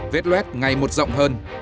vết luet ngày một rộng hơn